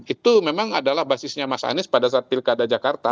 itu memang adalah basisnya mas anies pada saat pilkada jakarta